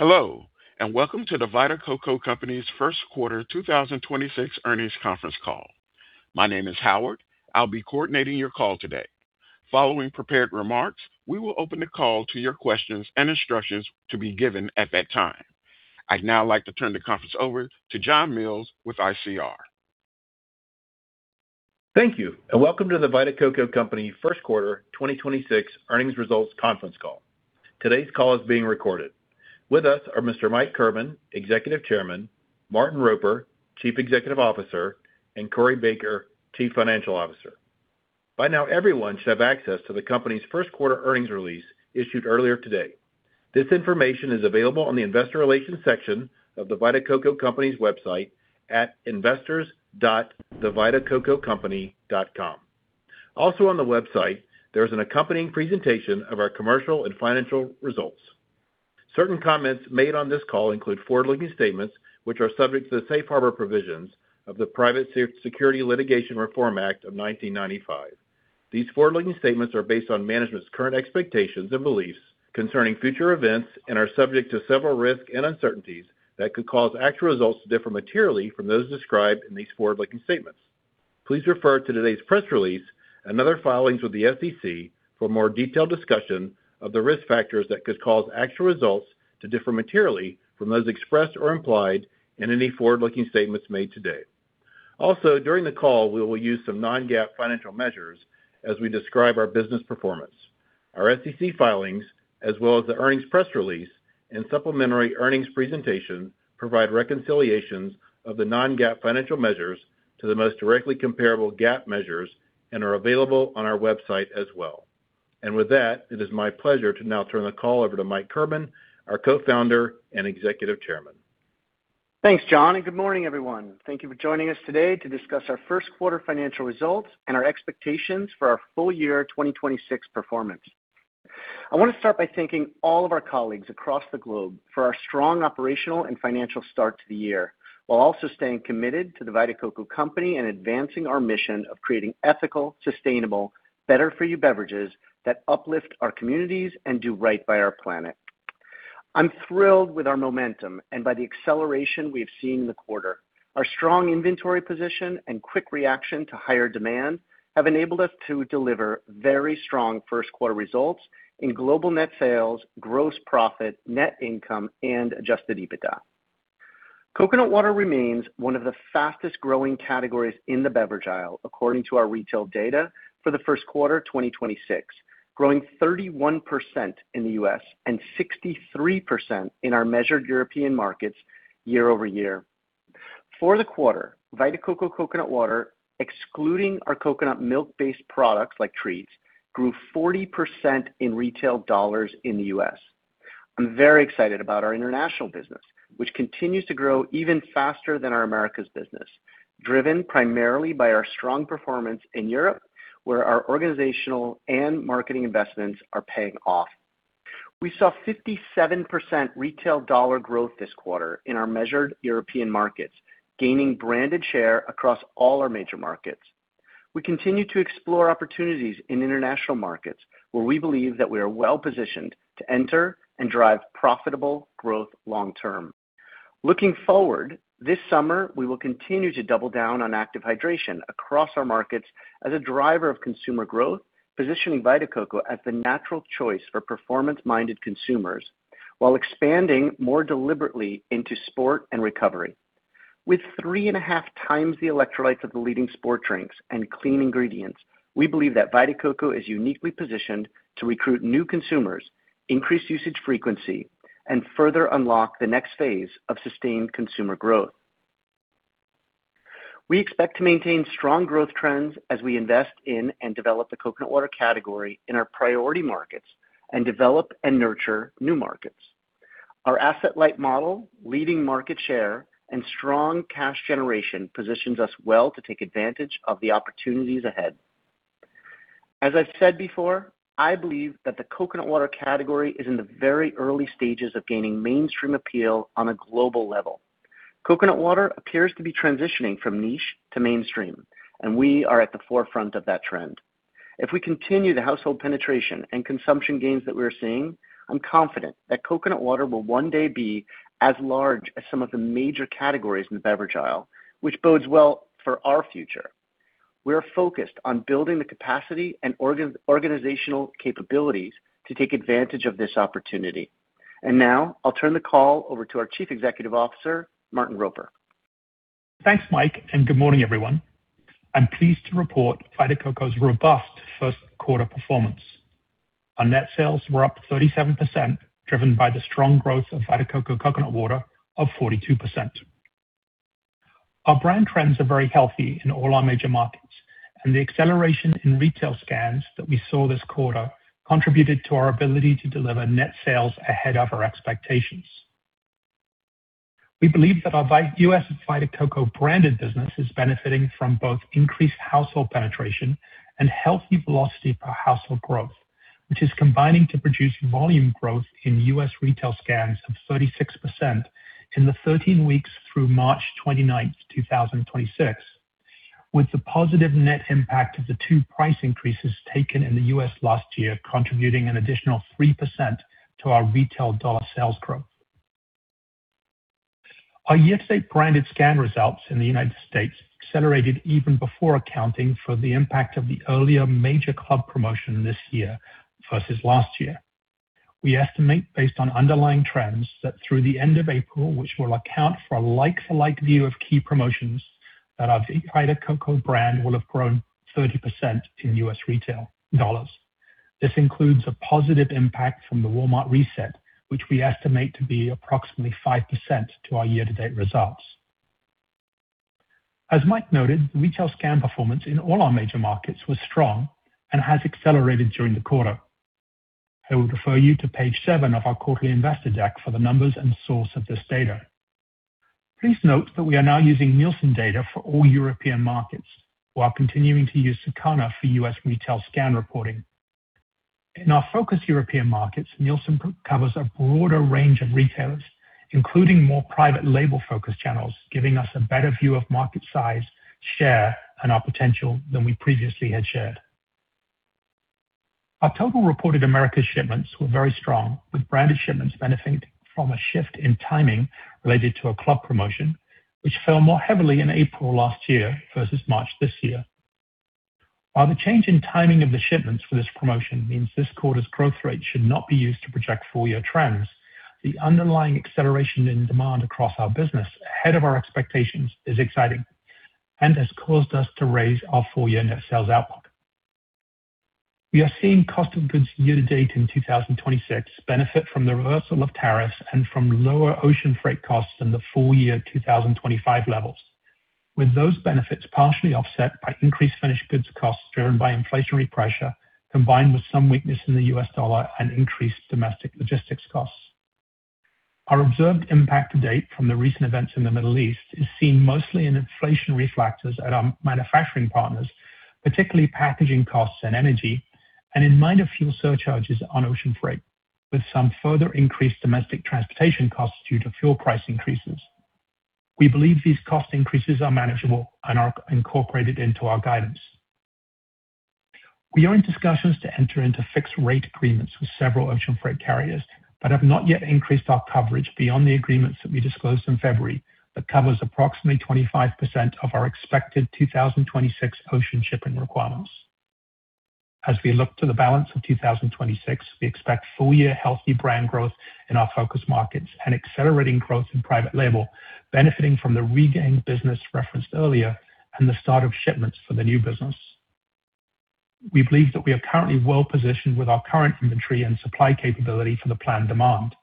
Hello, and welcome to The Vita Coco Company's first quarter 2026 earnings conference call. My name is Howard. I'll be coordinating your call today. Following prepared remarks, we will open the call to your questions and instructions to be given at that time. I'd now like to turn the conference over to John Mills with ICR. Thank you, and welcome to The Vita Coco Company first quarter 2026 earnings results conference call. Today's call is being recorded. With us are Mr. Michael Kirban, Executive Chairman, Martin Roper, Chief Executive Officer, and Corey Baker, Chief Financial Officer. By now, everyone should have access to the company's first quarter earnings release issued earlier today. This information is available on the investor relations section of The Vita Coco Company's website @investors.thevitacococompany.com. Also on the website, there is an accompanying presentation of our commercial and financial results. Certain comments made on this call include forward-looking statements, which are subject to the safe harbor provisions of the Private Securities Litigation Reform Act of 1995. These forward-looking statements are based on management's current expectations and beliefs concerning future events and are subject to several risks and uncertainties that could cause actual results to differ materially from those described in these forward-looking statements. Please refer to today's press release and other filings with the SEC for more detailed discussion of the risk factors that could cause actual results to differ materially from those expressed or implied in any forward-looking statements made today. During the call, we will use some non-GAAP financial measures as we describe our business performance. Our SEC filings, as well as the earnings press release and supplementary earnings presentation, provide reconciliations of the non-GAAP financial measures to the most directly comparable GAAP measures and are available on our website as well. With that, it is my pleasure to now turn the call over to Michael Kirban, our Co-founder and Executive Chairman. Thanks, John, and good morning, everyone. Thank you for joining us today to discuss our first quarter financial results and our expectations for our full year 2026 performance. I want to start by thanking all of our colleagues across the globe for our strong operational and financial start to the year, while also staying committed to The Vita Coco Company and advancing our mission of creating ethical, sustainable, better for you beverages that uplift our communities and do right by our planet. I'm thrilled with our momentum and by the acceleration we have seen in the quarter. Our strong inventory position and quick reaction to higher demand have enabled us to deliver very strong first quarter results in global net sales, gross profit, net income, and adjusted EBITDA. Coconut water remains one of the fastest-growing categories in the beverage aisle according to our retail data for the first quarter 2026, growing 31% in the U.S. and 63% in our measured European markets year-over-year. For the quarter, Vita Coco Coconut Water, excluding our coconut milk-based products like Treats, grew 40% in retail dollars in the U.S. I'm very excited about our international business, which continues to grow even faster than our Americas business, driven primarily by our strong performance in Europe, where our organizational and marketing investments are paying off. We saw 57% retail dollar growth this quarter in our measured European markets, gaining branded share across all our major markets. We continue to explore opportunities in international markets where we believe that we are well-positioned to enter and drive profitable growth long term. Looking forward, this summer, we will continue to double down on active hydration across our markets as a driver of consumer growth, positioning Vita Coco as the natural choice for performance-minded consumers while expanding more deliberately into sport and recovery. With 3.5x the electrolytes of the leading sport drinks and clean ingredients, we believe that Vita Coco is uniquely positioned to recruit new consumers, increase usage frequency, and further unlock the next phase of sustained consumer growth. We expect to maintain strong growth trends as we invest in and develop the coconut water category in our priority markets and develop and nurture new markets. Our asset-light model, one leading market share, and strong cash generation positions us well to take advantage of the opportunities ahead. As I've said before, I believe that the coconut water category is in the very early stages of gaining mainstream appeal on a global level. Coconut water appears to be transitioning from niche to mainstream, and we are at the forefront of that trend. If we continue the household penetration and consumption gains that we're seeing, I'm confident that coconut water will one day be as large as some of the major categories in the beverage aisle, which bodes well for our future. We are focused on building the capacity and organizational capabilities to take advantage of this opportunity. Now I'll turn the call over to our Chief Executive Officer, Martin Roper. Thanks, Mike, and good morning, everyone. I'm pleased to report Vita Coco's robust first quarter performance. Our net sales were up 37%, driven by the strong growth of Vita Coco Coconut Water of 42%. Our brand trends are very healthy in all our major markets, and the acceleration in retail scans that we saw this quarter contributed to our ability to deliver net sales ahead of our expectations. We believe that our U.S. Vita Coco branded business is benefiting from both increased household penetration and healthy velocity per household growth, which is combining to produce volume growth in U.S. retail scans of 36% in the 13 weeks through March 29th, 2026, with the positive net impact of the two price increases taken in the U.S. last year contributing an additional 3% to our retail dollar sales growth. Our year-to-date branded scan results in the U.S. accelerated even before accounting for the impact of the earlier major club promotion this year versus last year. We estimate based on underlying trends that through the end of April, which will account for a like-for-like view of key promotions, that our Vita Coco brand will have grown 30% in U.S. retail dollars. This includes a positive impact from the Walmart reset, which we estimate to be approximately 5% to our year-to-date results. As Michael Kirban noted, the retail scan performance in all our major markets was strong and has accelerated during the quarter. I would refer you to page seven of our quarterly investor deck for the numbers and source of this data. Please note that we are now using Nielsen data for all European markets, while continuing to use Circana for U.S. retail scan reporting. In our focus European markets, Nielsen co-covers a broader range of retailers, including more private label-focused channels, giving us a better view of market size, share, and our potential than we previously had shared. Our total reported Americas shipments were very strong, with branded shipments benefiting from a shift in timing related to a club promotion, which fell more heavily in April last year versus March this year. While the change in timing of the shipments for this promotion means this quarter's growth rate should not be used to project full-year trends, the underlying acceleration in demand across our business ahead of our expectations is exciting, and has caused us to raise our full-year net sales outlook. We are seeing cost of goods year-to-date in 2026 benefit from the reversal of tariffs and from lower ocean freight costs in the full year 2025 levels, with those benefits partially offset by increased finished goods costs driven by inflationary pressure, combined with some weakness in the U.S. dollar and increased domestic logistics costs. Our observed impact to date from the recent events in the Middle East is seen mostly in inflationary factors at our manufacturing partners, particularly packaging costs and energy, and in minor fuel surcharges on ocean freight, with some further increased domestic transportation costs due to fuel price increases. We believe these cost increases are manageable and are incorporated into our guidance. We are in discussions to enter into fixed rate agreements with several ocean freight carriers, have not yet increased our coverage beyond the agreements that we disclosed in February, that covers approximately 25% of our expected 2026 ocean shipping requirements. As we look to the balance of 2026, we expect full-year healthy brand growth in our focus markets and accelerating growth in private label, benefiting from the regained business referenced earlier and the start of shipments for the new business. We believe that we are currently well-positioned with our current inventory and supply capability for the planned demand.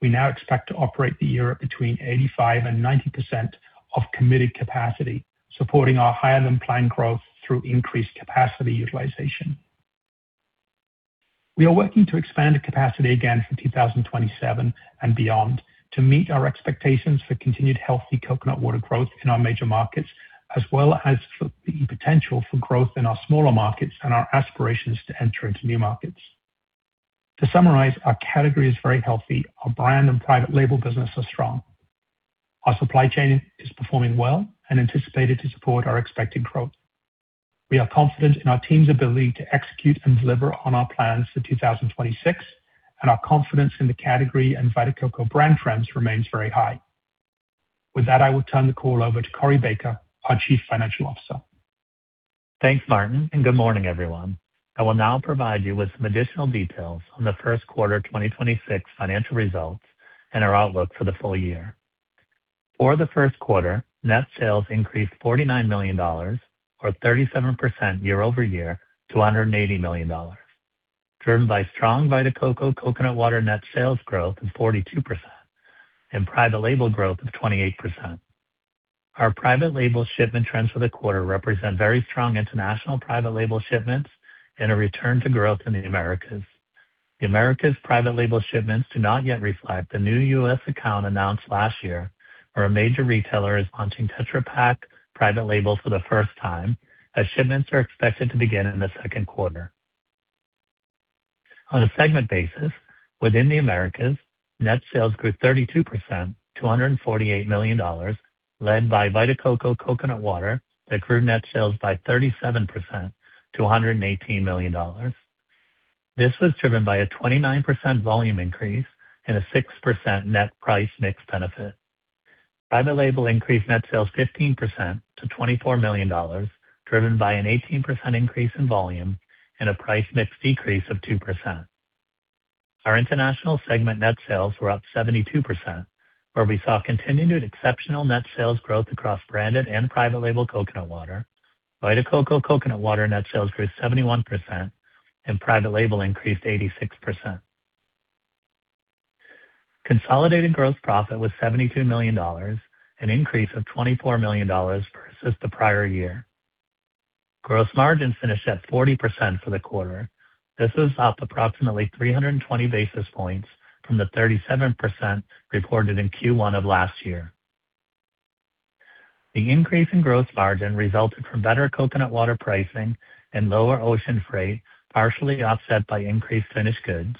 We now expect to operate the year at between 85%-90% of committed capacity, supporting our higher-than-planned growth through increased capacity utilization. We are working to expand the capacity again for 2027 and beyond to meet our expectations for continued healthy coconut water growth in our major markets, as well as for the potential for growth in our smaller markets and our aspirations to enter into new markets. To summarize, our category is very healthy. Our brand and private label business are strong. Our supply chain is performing well and anticipated to support our expected growth. We are confident in our team's ability to execute and deliver on our plans for 2026, and our confidence in the category and Vita Coco brand trends remains very high. With that, I will turn the call over to Corey Baker, our Chief Financial Officer. Thanks, Martin, and good morning, everyone. I will now provide you with some additional details on the first quarter 2026 financial results and our outlook for the full year. For the first quarter, net sales increased $49 million or 37% year-over-year to $180 million, driven by strong Vita Coco Coconut Water net sales growth of 42% and private label growth of 28%. Our private label shipment trends for the quarter represent very strong international private label shipments and a return to growth in the Americas. The Americas private label shipments do not yet reflect the new U.S. account announced last year, where a major retailer is launching Tetra Pak private label for the first time, as shipments are expected to begin in the second quarter. On a segment basis, within the Americas, net sales grew 32% to $148 million, led by Vita Coco Coconut Water that grew net sales by 37% to $118 million. This was driven by a 29% volume increase and a 6% net price mix benefit. Private label increased net sales 15% to $24 million, driven by an 18% increase in volume and a price mix decrease of 2%. Our international segment net sales were up 72%, where we saw continued exceptional net sales growth across branded and private label coconut water. Vita Coco Coconut Water net sales grew 71%, and private label increased 86%. Consolidated gross profit was $72 million, an increase of $24 million versus the prior year. Gross margins finished at 40% for the quarter. This is up approximately 320 basis points from the 37% reported in Q1 of last year. The increase in gross margin resulted from better coconut water pricing and lower ocean freight, partially offset by increased finished goods,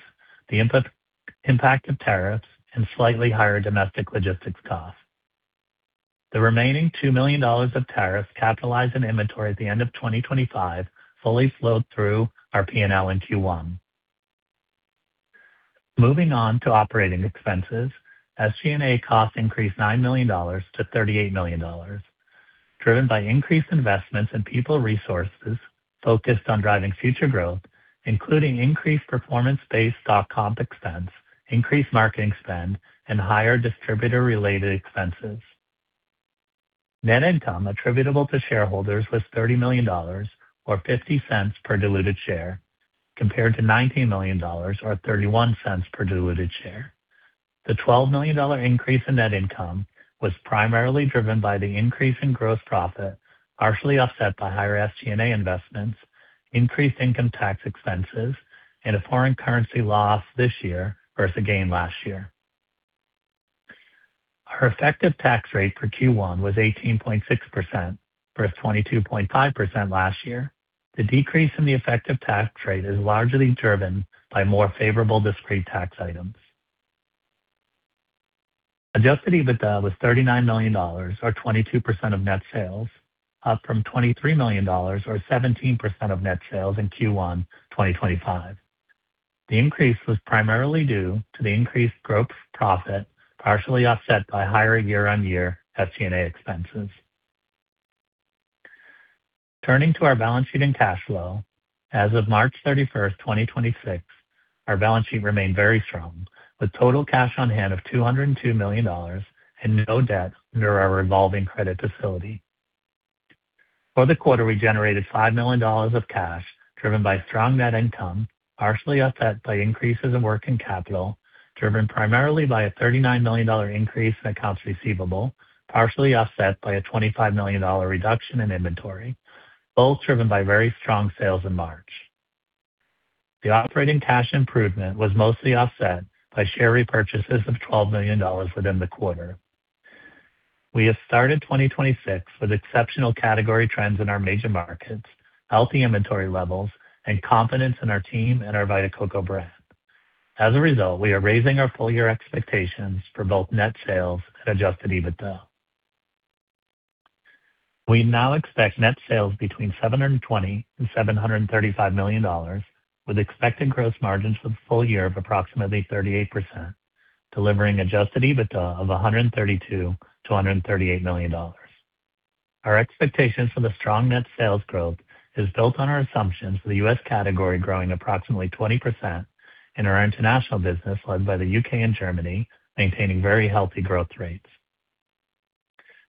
the impact of tariffs and slightly higher domestic logistics costs. The remaining $2 million of tariffs capitalized in inventory at the end of 2025 fully flowed through our P&L in Q1. Moving on to operating expenses. SG&A costs increased $9 million-$38 million, driven by increased investments in people resources focused on driving future growth, including increased performance-based stock comp expense, increased marketing spend, and higher distributor-related expenses. Net income attributable to shareholders was $30 million or $0.50 per diluted share, compared to $19 million or $0.31 per diluted share. The $12 million increase in net income was primarily driven by the increase in gross profit, partially offset by higher SG&A investments, increased income tax expenses, and a foreign currency loss this year versus a gain last year. Our effective tax rate for Q1 was 18.6% versus 22.5% last year. The decrease in the effective tax rate is largely driven by more favorable discrete tax items. Adjusted EBITDA was $39 million or 22% of net sales, up from $23 million or 17% of net sales in Q1 2025. The increase was primarily due to the increased gross profit, partially offset by higher year-on-year SG&A expenses. Turning to our balance sheet and cash flow. As of March 31st, 2026, our balance sheet remained very strong, with total cash on hand of $202 million and no debt under our revolving credit facility. For the quarter, we generated $5 million of cash, driven by strong net income, partially offset by increases in working capital, driven primarily by a $39 million increase in accounts receivable, partially offset by a $25 million reduction in inventory, both driven by very strong sales in March. The operating cash improvement was mostly offset by share repurchases of $12 million within the quarter. We have started 2026 with exceptional category trends in our major markets, healthy inventory levels, and confidence in our team and our Vita Coco brand. As a result, we are raising our full-year expectations for both net sales and adjusted EBITDA. We now expect net sales between $720 million and $735 million, with expected gross margins for the full year of approximately 38%, delivering adjusted EBITDA of $132 million to $138 million. Our expectations for the strong net sales growth is built on our assumptions for the U.S. category growing approximately 20% and our international business led by the U.K. and Germany maintaining very healthy growth rates.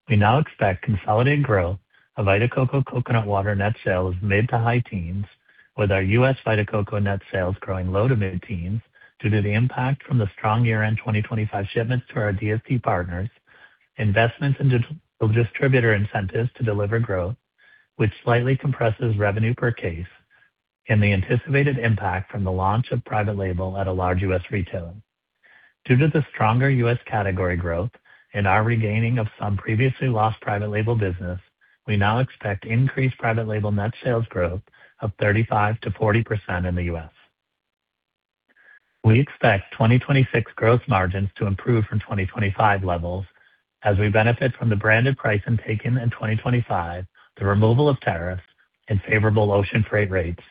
We now expect consolidated growth of Vita Coco Coconut Water net sales mid to high teens, with our U.S. Vita Coco net sales growing low to mid teens due to the impact from the strong year-end 2025 shipments to our DSD partners, investments in distributor incentives to deliver growth, which slightly compresses revenue per case, and the anticipated impact from the launch of private label at a large U.S. retailer. Due to the stronger U.S. category growth and our regaining of some previously lost private label business, we now expect increased private label net sales growth of 35%-40% in the U.S. We expect 2026 growth margins to improve from 2025 levels as we benefit from the branded pricing taken in 2025, the removal of tariffs, and favorable ocean freight rates,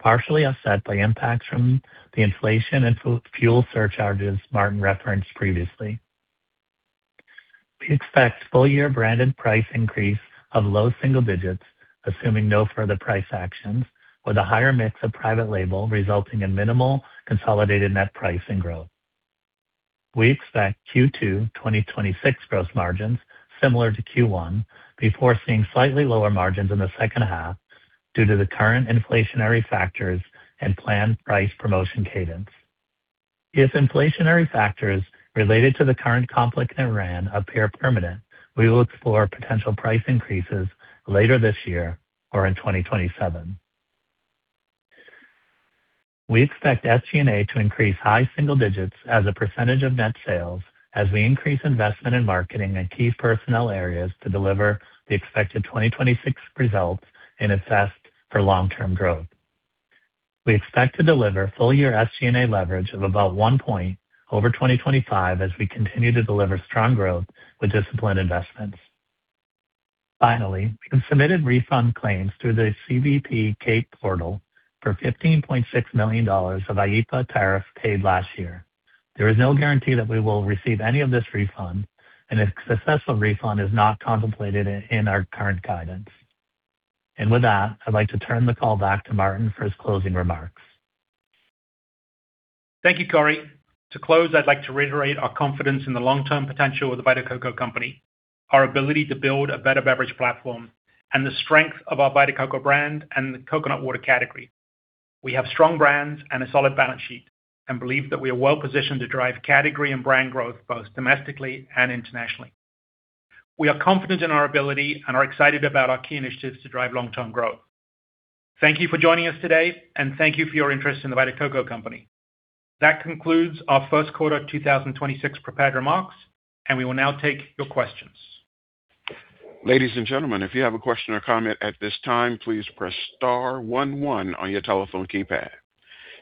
partially offset by impacts from the inflation and fuel surcharges Martin referenced previously. We expect full-year branded price increase of low single digits, assuming no further price actions, with a higher mix of private label resulting in minimal consolidated net pricing growth. We expect Q2 2026 gross margins similar to Q1 before seeing slightly lower margins in the second half due to the current inflationary factors and planned price promotion cadence. If inflationary factors related to the current conflict in Iran appear permanent, we will explore potential price increases later this year or in 2027. We expect SG&A to increase high single digits as a percentage of net sales as we increase investment in marketing and key personnel areas to deliver the expected 2026 results and invest for long-term growth. We expect to deliver full-year SG&A leverage of about one point over 2025 as we continue to deliver strong growth with disciplined investments. Finally, we have submitted refund claims through the CBP CAPE Portal for $15.6 million of IEEPA tariff paid last year. There is no guarantee that we will receive any of this refund, and a successful refund is not contemplated in our current guidance. With that, I'd like to turn the call back to Martin for his closing remarks. Thank you, Corey. To close, I'd like to reiterate our confidence in the long-term potential of The Vita Coco Company, our ability to build a better beverage platform, and the strength of our Vita Coco brand and the coconut water category. We have strong brands and a solid balance sheet and believe that we are well-positioned to drive category and brand growth both domestically and internationally. We are confident in our ability and are excited about our key initiatives to drive long-term growth. Thank you for joining us today, and thank you for your interest in The Vita Coco Company. That concludes our first quarter 2026 prepared remarks, and we will now take your questions. Ladies and gentlemen, if you have a question or comment at this time, please press star one one on your telephone keypad.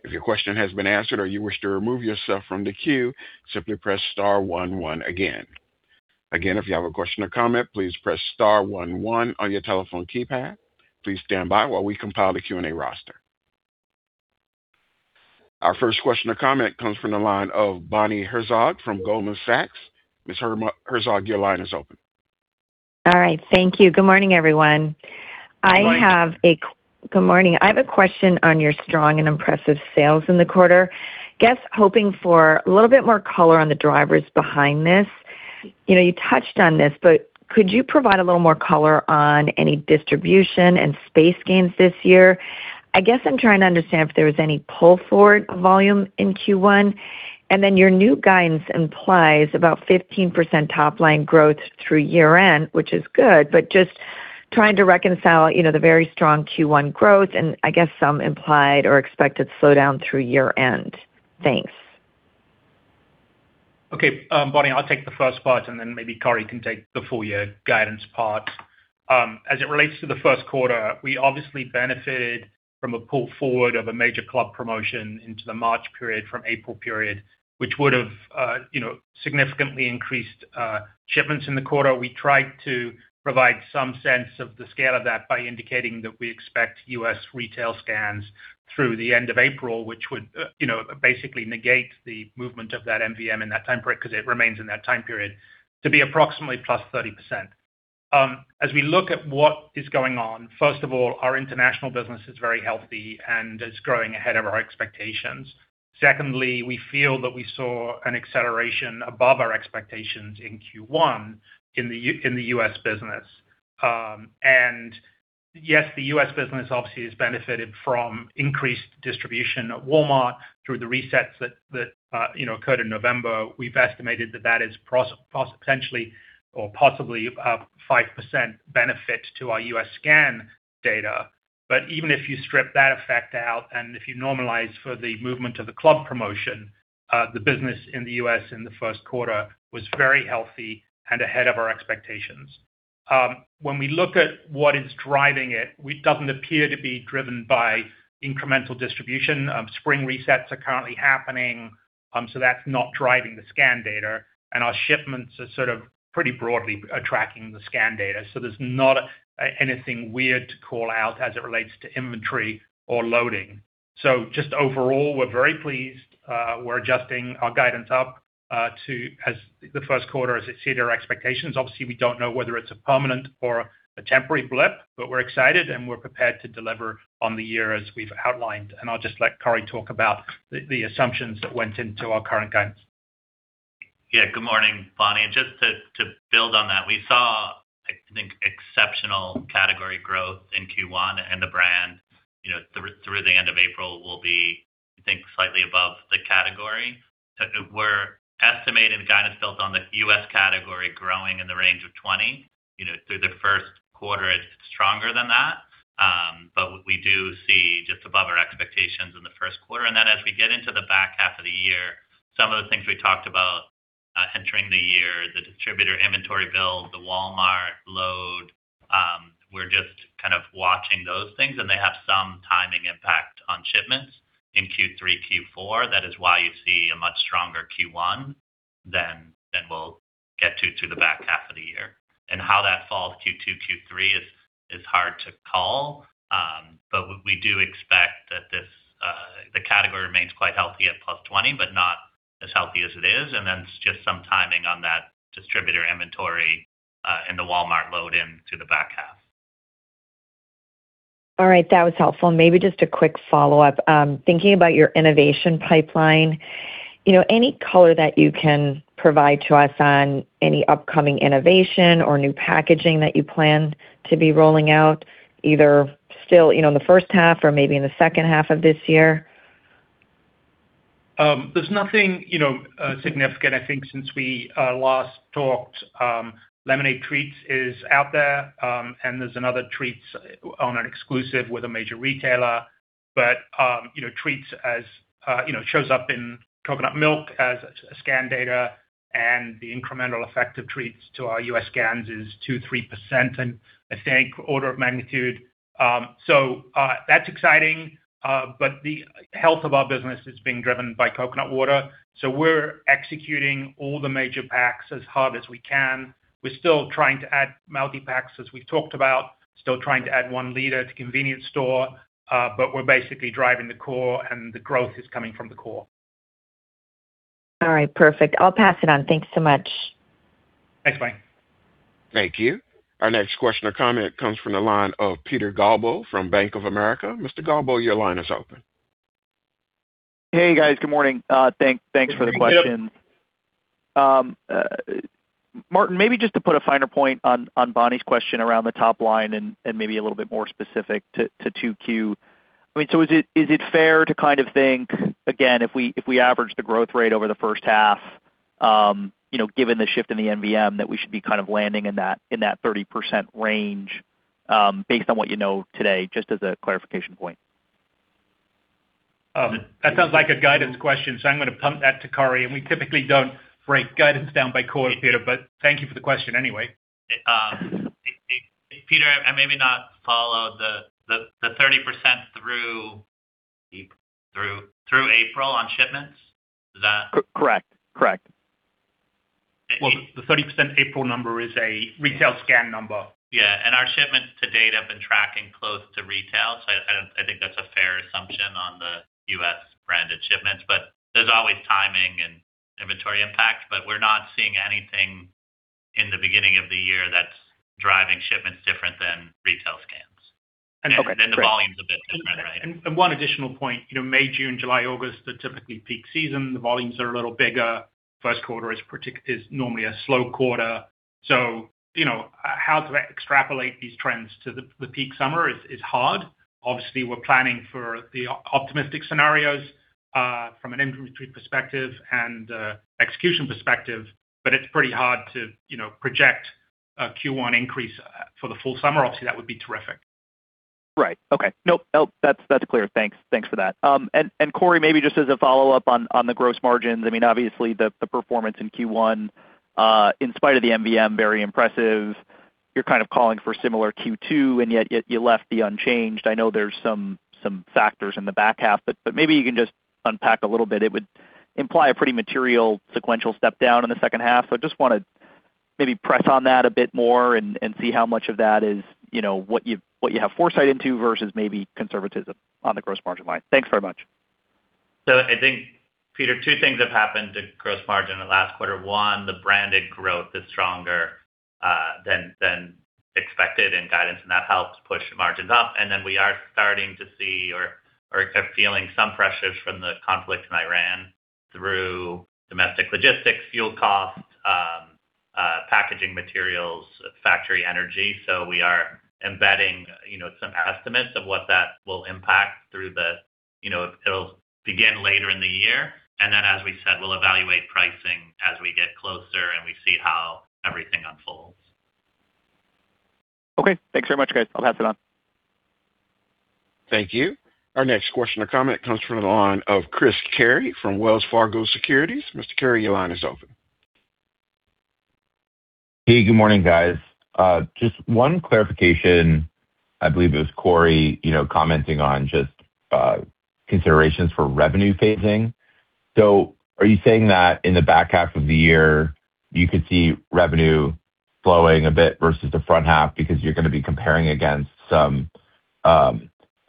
If your question has been answered or you wish to remove yourself from the queue, simply press star one one again. Again, if you have a question or comment, please press star one one on your telephone keypad. Please stand by while we compile the Q&A roster. Our first question or comment comes from the line of Bonnie Herzog from Goldman Sachs. Ms. Herzog, your line is open. All right. Thank you. Good morning, everyone. Good morning. Good morning. I have a question on your strong and impressive sales in the quarter. Guess hoping for a little bit more color on the drivers behind this. You know, could you provide a little more color on any distribution and space gains this year? I guess I'm trying to understand if there was any pull-forward volume in Q1. Your new guidance implies about 15% top line growth through year-end, which is good, just trying to reconcile, you know, the very strong Q1 growth and I guess some implied or expected slowdown through year-end. Thanks. Okay. Bonnie, I'll take the first part, maybe Corey can take the full year guidance part. As it relates to the first quarter, we obviously benefited from a pull forward of a major club promotion into the March period from April period, which would've, you know, significantly increased shipments in the quarter. We tried to provide some sense of the scale of that by indicating that we expect U.S. retail scans through the end of April, which would, you know, basically negate the movement of that MVM in that time period because it remains in that time period to be approximately +30%. As we look at what is going on, first of all, our international business is very healthy, it's growing ahead of our expectations. Secondly, we feel that we saw an acceleration above our expectations in Q1 in the U.S. business. Yes, the U.S. business obviously has benefited from increased distribution at Walmart through the resets that, you know, occurred in November. We've estimated that that is possibly 5% benefit to our U.S. scan data. Even if you strip that effect out and if you normalize for the movement of the club promotion, the business in the U.S. in the first quarter was very healthy and ahead of our expectations. When we look at what is driving it doesn't appear to be driven by incremental distribution. Spring resets are currently happening, that's not driving the scan data. Our shipments are sort of pretty broadly attracting the scan data. There's not anything weird to call out as it relates to inventory or loading. Just overall, we're very pleased. We're adjusting our guidance up to as the first quarter as it exceeded our expectations. Obviously, we don't know whether it's a permanent or a temporary blip, but we're excited, and we're prepared to deliver on the year as we've outlined. I'll just let Corey talk about the assumptions that went into our current guidance. Yeah, good morning, Bonnie. Just to build on that, we saw, I think, exceptional category growth in Q1 and the brand, you know, through the end of April will be, I think, slightly above the category. We're estimating the guidance built on the U.S. category growing in the range of 20, you know, through the first quarter, it's stronger than that. We do see just above our expectations in the first quarter. Then as we get into the back half of the year, some of the things we talked about entering the year, the distributor inventory build, the Walmart load, we're just kind of watching those things, and they have some timing impact on shipments in Q3, Q4. That is why you see a much stronger Q1 than we'll get to through the back half of the year. How that falls Q2, Q3 is hard to call. We do expect that this the category remains quite healthy at +20%, but not as healthy as it is. It's just some timing on that distributor inventory and the Walmart load into the back half. All right. That was helpful. Maybe just a quick follow-up. Thinking about your innovation pipeline, you know, any color that you can provide to us on any upcoming innovation or new packaging that you plan to be rolling out either still, you know, in the first half or maybe in the second half of this year? There's nothing, you know, significant, I think, since we last talked. Lemonade Treats is out there's another Treats on an exclusive with a major retailer. You know, Treats as, you know, shows up in coconut milk as scan data and the incremental effect of Treats to our U.S. scans is 2%, 3% and I think order of magnitude. That's exciting. The health of our business is being driven by coconut water. We're executing all the major packs as hard as we can. We're still trying to add multi-packs as we've talked about, still trying to add 1 liter to convenience store. We're basically driving the core, the growth is coming from the core. All right. Perfect. I'll pass it on. Thank you so much. Thanks, Bonnie. Thank you. Our next question or comment comes from the line of Peter Galbo from Bank of America. Mr. Galbo, your line is open. Hey, guys. Good morning. Thanks for the question. Good morning, Peter. Martin, maybe just to put a finer point on Bonnie's question around the top line and maybe a little bit more specific to 2Q. Is it fair to kind of think, again, if we average the growth rate over the first half, you know, given the shift in the MVM, that we should be kind of landing in that 30% range, based on what you know today, just as a clarification point? That sounds like a guidance question, so I'm gonna pump that to Corey. We typically don't break guidance down by quarter, Peter, but thank you for the question anyway. Peter, I maybe not follow the 30% through April on shipments. Is that- Correct. Well, the 30% April number is a retail scan number. Yeah. Our shipments to date have been tracking close to retail, so I don't think that's a fair assumption on the U.S. branded shipments. There's always timing and inventory impact, but we're not seeing anything in the beginning of the year that's driving shipments different than retail scans. Okay. Great. The volumes of business, right? One additional point. You know, May, June, July, August are typically peak season. The volumes are a little bigger. First quarter is normally a slow quarter. You know, how to extrapolate these trends to the peak summer is hard. Obviously, we're planning for the optimistic scenarios from an inventory perspective and execution perspective, but it's pretty hard to, you know, project a Q1 increase for the full summer. Obviously, that would be terrific. Right. Okay. Nope. That's clear. Thanks for that. Corey, maybe just as a follow-up on the gross margins. I mean, obviously the performance in Q1 in spite of the MVM, very impressive. You're kind of calling for similar Q2, yet you left the unchanged. I know there's some factors in the back half, maybe you can just unpack a little bit. It would imply a pretty material sequential step down in the second half. I just wanna maybe press on that a bit more and see how much of that is, you know, what you have foresight into versus maybe conservatism on the gross margin line. Thanks very much. I think, Peter, two things have happened to gross margin in the last quarter. One, the branded growth is stronger than expected in guidance, and that helped push margins up. We are starting to see or are feeling some pressures from the conflict in Iran through domestic logistics, fuel costs, packaging materials, factory energy. We are embedding, you know, some estimates of what that will impact. It'll begin later in the year. As we said, we'll evaluate pricing as we get closer, and we see how everything unfolds. Okay. Thanks very much, guys. I'll pass it on. Thank you. Our next question or comment comes from the line of Chris Carey from Wells Fargo Securities. Mr. Carey, your line is open. Hey, good morning, guys. Just one clarification. I believe it was Corey, you know, commenting on just considerations for revenue phasing. Are you saying that in the back half of the year, you could see revenue slowing a bit versus the front half because you're gonna be comparing against some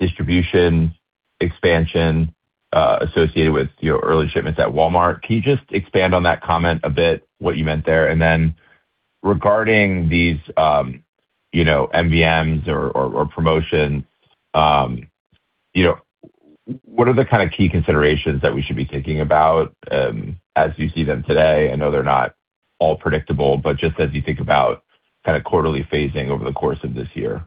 distribution expansion associated with your early shipments at Walmart? Can you just expand on that comment a bit, what you meant there? Regarding these, you know, MVMs or promotions, you know, what are the kind of key considerations that we should be thinking about as you see them today? I know they're not all predictable, but just as you think about kind of quarterly phasing over the course of this year.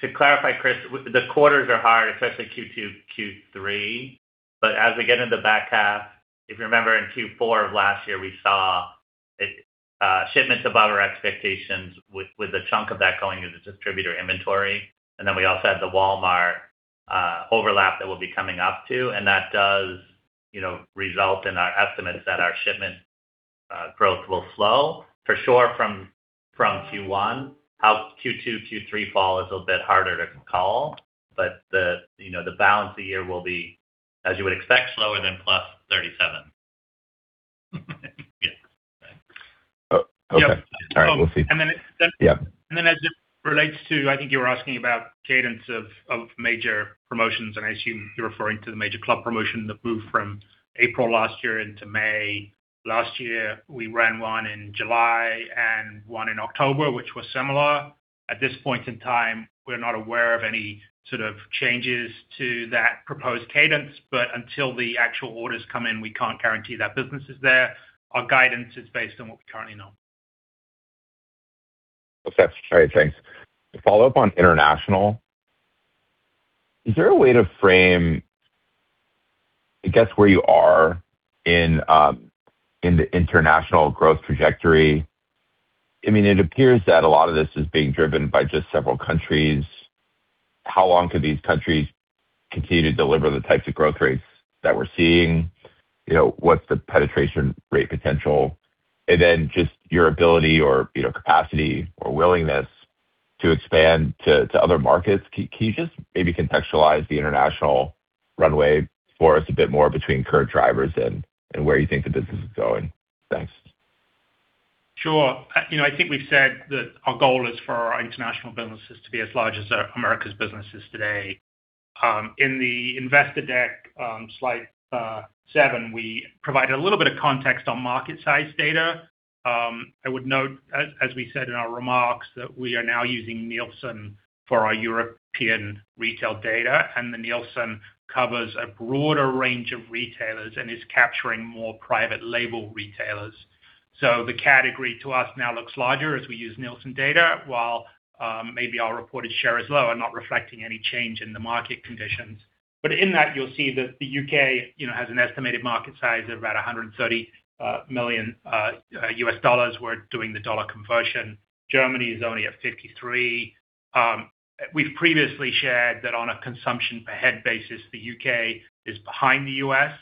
To clarify, Chris, with the quarters are hard, especially Q2, Q3. As we get into the back half, if you remember in Q4 of last year, we saw shipments above our expectations with a chunk of that going into distributor inventory. Then we also had the Walmart overlap that we'll be coming up to, and that does, you know, result in our estimates that our shipment growth will slow for sure from Q1. How Q2, Q3 fall is a bit harder to call. The, you know, the balance of the year will be, as you would expect, slower than +37%. Oh, okay. All right. We'll see. And then- Yeah. As it relates to, I think you were asking about cadence of major promotions, and I assume you're referring to the major club promotion that moved from April last year into May. Last year, we ran one in July and one in October, which was similar. At this point in time, we're not aware of any sort of changes to that proposed cadence. Until the actual orders come in, we can't guarantee that business is there. Our guidance is based on what we currently know. Okay. All right. Thanks. To follow up on international, is there a way to frame, I guess, where you are in the international growth trajectory? I mean, it appears that a lot of this is being driven by just several countries. How long could these countries continue to deliver the types of growth rates that we're seeing? You know, what's the penetration rate potential? Then just your ability or, you know, capacity or willingness to expand to other markets. Can you just maybe contextualize the international runway for us a bit more between current drivers and where you think the business is going? Thanks. Sure. you know, I think we've said that our goal is for our international businesses to be as large as our America's businesses today. In the investor deck, slide seven, we provide a little bit of context on market size data. I would note, as we said in our remarks, that we are now using Nielsen for our European retail data, and the Nielsen covers a broader range of retailers and is capturing more private label retailers. The category to us now looks larger as we use Nielsen data, while maybe our reported share is lower, not reflecting any change in the market conditions. In that, you'll see that the U.K., you know, has an estimated market size of about $130 million. We're doing the dollar conversion. Germany is only at 53. We've previously shared that on a consumption per head basis, the U.K. is behind the U.S.,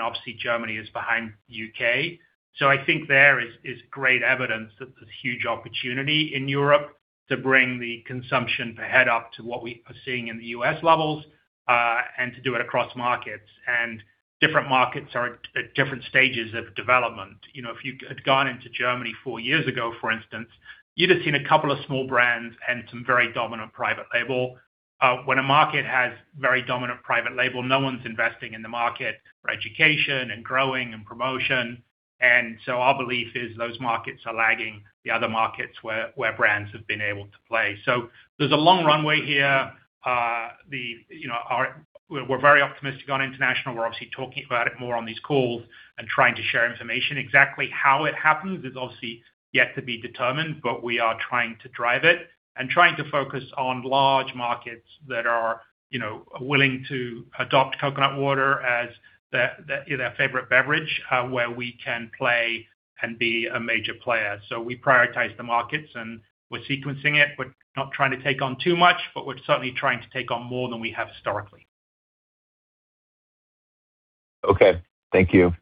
obviously Germany is behind U.K. I think there is great evidence that there's huge opportunity in Europe to bring the consumption per head up to what we are seeing in the U.S. levels, and to do it across markets. Different markets are at different stages of development. You know, if you had gone into Germany four years ago, for instance, you'd have seen a couple of small brands and some very dominant private label. When a market has very dominant private label, no one's investing in the market for education and growing and promotion. Our belief is those markets are lagging the other markets where brands have been able to play. There's a long runway here. We're very optimistic on international. We're obviously talking about it more on these calls and trying to share information. Exactly how it happens is obviously yet to be determined, but we are trying to drive it and trying to focus on large markets that are, you know, willing to adopt coconut water as their, their favorite beverage, where we can play and be a major player. We prioritize the markets, and we're sequencing it. We're not trying to take on too much, but we're certainly trying to take on more than we have historically. Okay. Thank you.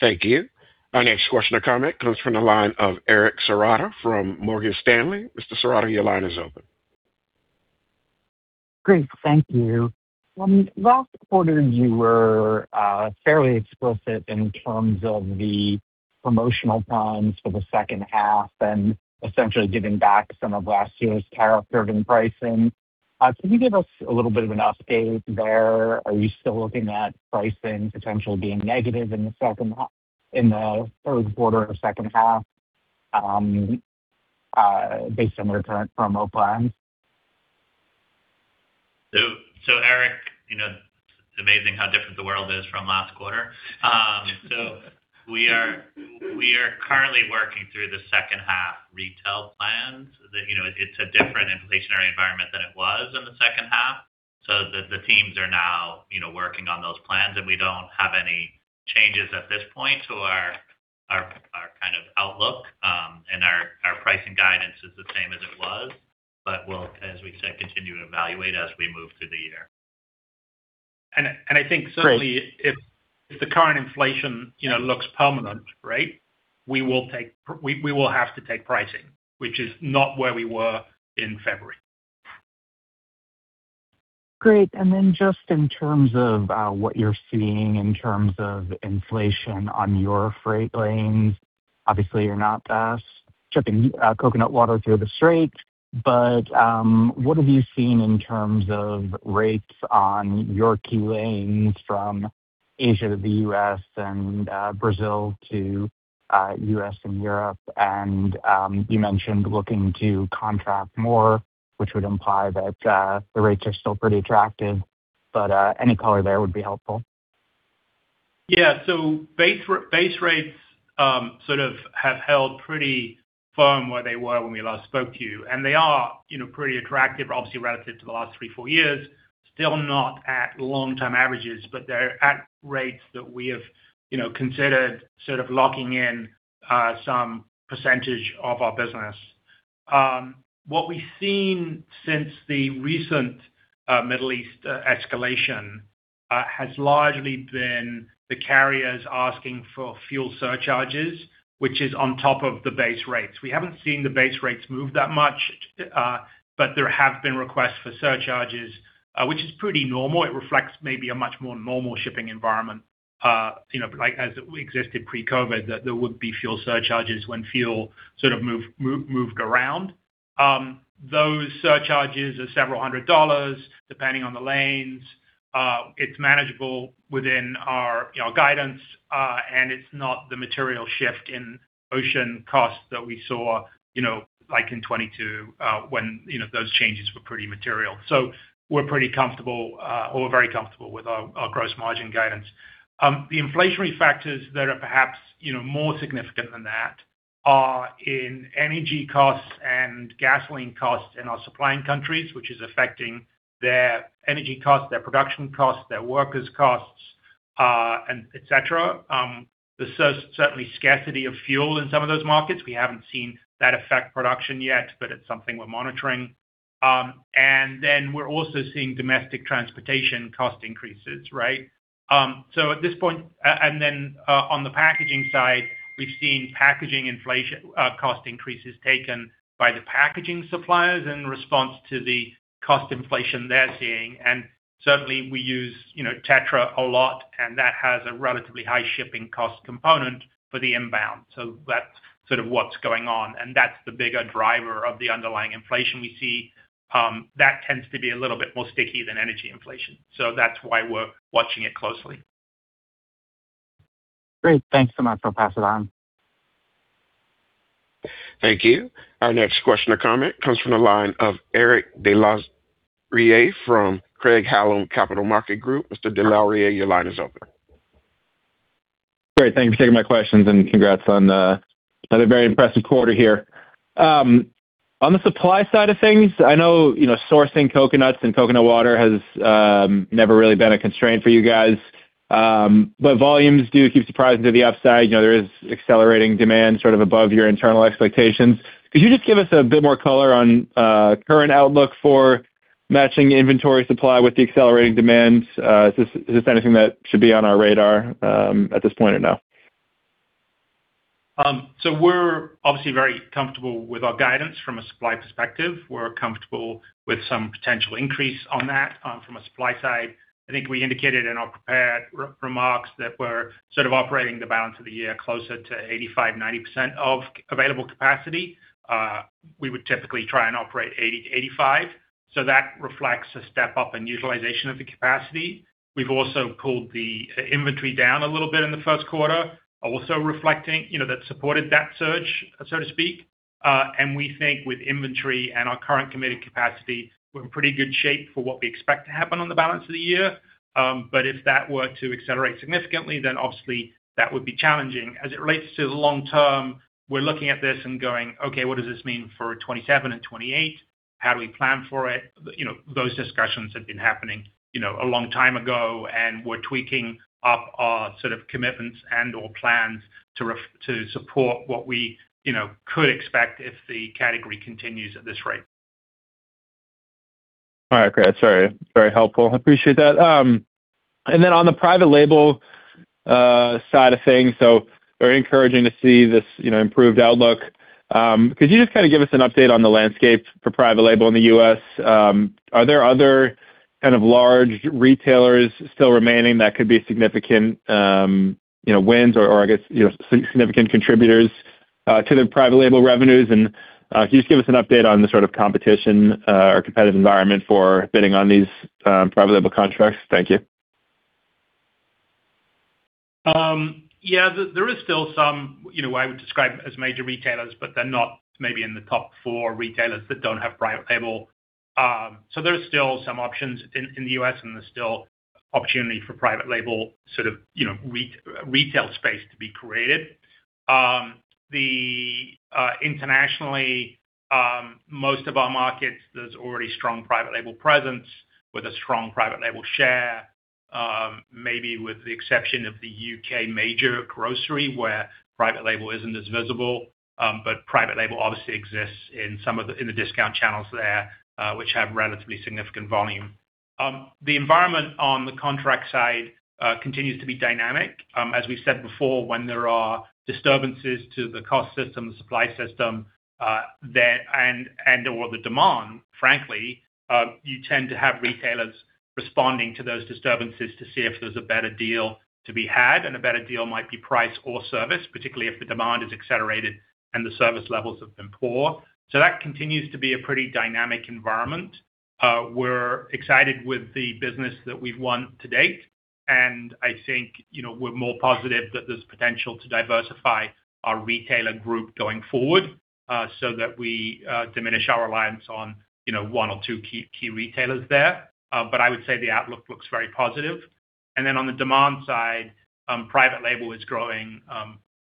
Thank you. Our next question or comment comes from the line of Eric Serotta from Morgan Stanley. Mr. Serotta, your line is open. Great. Thank you. Last quarter, you were fairly explicit in terms of the promotional plans for the second half and essentially giving back some of last year's tariff-driven pricing. Can you give us a little bit of an update there? Are you still looking at pricing potentially being negative in the third quarter or second half, based on your current promo plans? Eric, you know, it's amazing how different the world is from last quarter. We are currently working through the second half retail plans that, you know, it's a different inflationary environment than it was in the second half. The teams are now, you know, working on those plans, and we don't have any changes at this point to our kind of outlook, and our pricing guidance is the same as it was. We'll, as we said, continue to evaluate as we move through the year. I think certainly if the current inflation, you know, looks permanent, right, we will have to take pricing, which is not where we were in February. Great. Just in terms of what you're seeing in terms of inflation on your freight lanes, obviously, you're not shipping coconut water through the straits, but what have you seen in terms of rates on your key lanes from Asia to the U.S. and Brazil to the U.S. and Europe? You mentioned looking to contract more, which would imply that the rates are still pretty attractive, but any color there would be helpful. Base rates, sort of have held pretty firm where they were when we last spoke to you, and they are, you know, pretty attractive, obviously, relative to the last three, four years. Still not at long-term averages, they're at rates that we have, you know, considered sort of locking in some percentage of our business. What we've seen since the recent Middle East escalation has largely been the carriers asking for fuel surcharges, which is on top of the base rates. We haven't seen the base rates move that much, there have been requests for surcharges, which is pretty normal. It reflects maybe a much more normal shipping environment, you know, like as we existed pre-COVID, that there would be fuel surcharges when fuel sort of moved around. Those surcharges are several $100, depending on the lanes. It's manageable within our, you know, guidance, and it's not the material shift in ocean costs that we saw, you know, like in 2022, when, you know, those changes were pretty material. We're pretty comfortable, or very comfortable with our gross margin guidance. The inflationary factors that are perhaps, you know, more significant than that are in energy costs and gasoline costs in our supplying countries, which is affecting their energy costs, their production costs, their workers' costs, and et cetera. There's certainly scarcity of fuel in some of those markets. We haven't seen that affect production yet, but it's something we're monitoring. We're also seeing domestic transportation cost increases, right? At this point, then on the packaging side, we've seen packaging inflation, cost increases taken by the packaging suppliers in response to the cost inflation they're seeing. Certainly we use, you know, Tetra a lot, and that has a relatively high shipping cost component for the inbound. That's sort of what's going on, and that's the bigger driver of the underlying inflation we see, that tends to be a little bit more sticky than energy inflation. That's why we're watching it closely. Great. Thanks so much. I'll pass it on. Thank you. Our next question or comment comes from the line of Eric Des Lauriers from Craig-Hallum Capital Group. Mr. Des Lauriers, your line is open. Great. Thank you for taking my questions and congrats on another very impressive quarter here. On the supply side of things, I know, you know, sourcing coconuts and coconut water has never really been a constraint for you guys. Volumes do keep surprising to the upside. You know, there is accelerating demand sort of above your internal expectations. Could you just give us a bit more color on current outlook for matching inventory supply with the accelerating demands? Is this anything that should be on our radar at this point or no? We're obviously very comfortable with our guidance from a supply perspective. We're comfortable with some potential increase on that from a supply side. I think we indicated in our prepared remarks that we're sort of operating the balance of the year closer to 85%, 90% of available capacity. We would typically try and operate 80%, 85%, so that reflects a step up in utilization of the capacity. We've also pulled the inventory down a little bit in the first quarter, also reflecting, you know, that supported that surge, so to speak. We think with inventory and our current committed capacity, we're in pretty good shape for what we expect to happen on the balance of the year. If that were to accelerate significantly, obviously that would be challenging. As it relates to the long term, we're looking at this and going, "Okay, what does this mean for 2027 and 2028? How do we plan for it?" You know, those discussions have been happening, you know, a long time ago, and we're tweaking up our sort of commitments and/or plans to support what we, you know, could expect if the category continues at this rate. All right, great. That's very, very helpful. I appreciate that. On the private label side of things, so very encouraging to see this, you know, improved outlook. Could you just kind of give us an update on the landscape for private label in the U.S.? Are there other kind of large retailers still remaining that could be significant, you know, wins or I guess, you know, significant contributors to the private label revenues? Can you just give us an update on the sort of competition or competitive environment for bidding on these private label contracts? Thank you. Yeah, there is still some, you know, what I would describe as major retailers, but they're not maybe in the top four retailers that don't have private label. There are still some options in the U.S., and there's still opportunity for private label sort of, you know, re-retail space to be created. Internationally, most of our markets, there's already strong private label presence with a strong private label share, maybe with the exception of the U.K. major grocery, where private label isn't as visible. Private label obviously exists in some of the in the discount channels there, which have relatively significant volume. The environment on the contract side continues to be dynamic. As we said before, when there are disturbances to the cost system, the supply system, that and/or the demand, frankly, you tend to have retailers responding to those disturbances to see if there's a better deal to be had. A better deal might be price or service, particularly if the demand is accelerated and the service levels have been poor. That continues to be a pretty dynamic environment. We're excited with the business that we've won to date, I think, you know, we're more positive that there's potential to diversify our retailer group going forward, so that we diminish our reliance on, you know, one or two key retailers there. I would say the outlook looks very positive. On the demand side, private label is growing